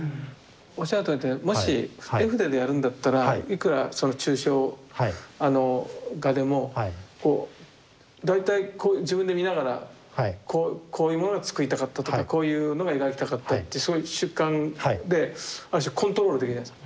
おっしゃるとおりでもし絵筆でやるんだったらいくらその抽象画でもこう大体自分で見ながらこういうものが作りたかったとかこういうのが描きたかったってそういう主観である種コントロールできるじゃないですか。